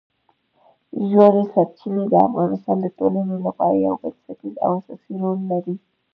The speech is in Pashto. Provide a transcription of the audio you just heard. ژورې سرچینې د افغانستان د ټولنې لپاره یو بنسټیز او اساسي رول لري.